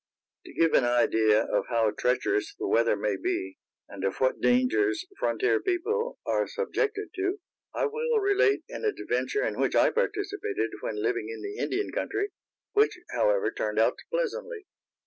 To give an idea of how treacherous the weather may be, and of what dangers frontier people are subjected to, I will relate an adventure in which I participated when living in the Indian country, which, however, turned out pleasantly.